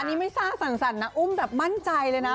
อันนี้ไม่ซ่าสั่นนะอุ้มแบบมั่นใจเลยนะ